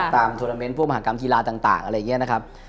โทรเมนต์พวกมหากรรมกีฬาต่างอะไรอย่างนี้นะครับ